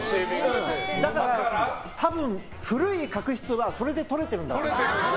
だから多分、古い角質はそれで取れてるんだと。